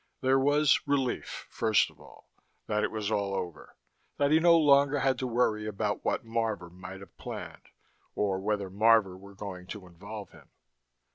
There was relief, first of all, that it was all over, that he no longer had to worry about what Marvor might have planned, or whether Marvor were going to involve him.